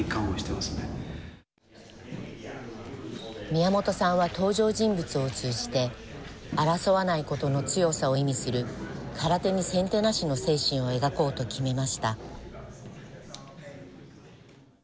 宮本さんは登場人物を通じて争わないことの強さを意味する空手に先手なしの精神を描こうと決めました。